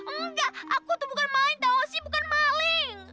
enggak aku tuh bukan main tau sih bukan maling